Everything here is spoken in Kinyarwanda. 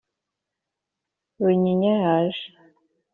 runyinya yaje,